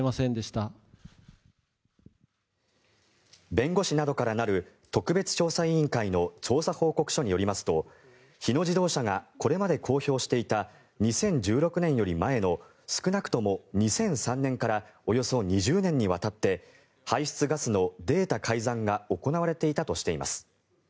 弁護士などから成る特別調査委員会の調査報告書によりますと日野自動車がこれまで公表していた２０１６年より前の少なくとも２００３年からおよそ２０年にわたって排出ガスのデータ改ざんが行われていたとしています。